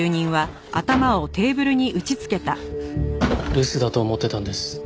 留守だと思ってたんです。